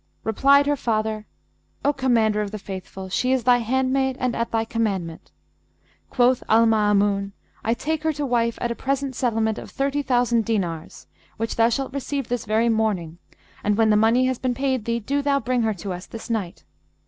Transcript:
Replied her father, 'O Commander of the Faithful, she is thy handmaid and at thy commandment.' Quoth Al Maamun, 'I take her to wife at a present settlement of thirty thousand dinars, which thou shalt receive this very morning, and, when the money has been paid thee, do thou bring her to us this night.'